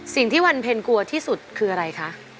สิ่งที่วันเพลงกลัวที่สุดคืออะไรคะ